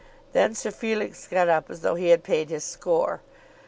Then Sir Felix got up as though he had paid his score.